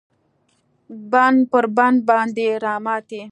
بند پر بند باندې راماتی